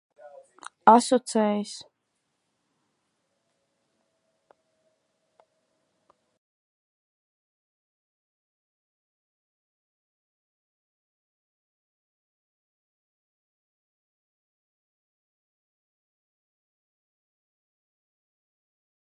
Skatītājiem to translēs.